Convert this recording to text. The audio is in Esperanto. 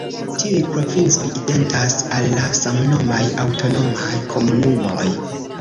Tiuj provincoj identas al la samnomaj aŭtonomaj komunumoj.